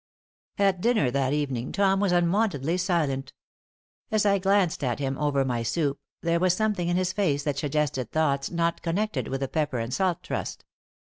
At dinner that evening, Tom was unwontedly silent. As I glanced at him over my soup there was something in his face that suggested thoughts not connected with the Pepper and Salt Trust.